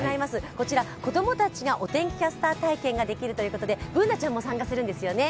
こちら子供たちがお天気キャスター体験ができるということでＢｏｏｎａちゃんも参加するんですよね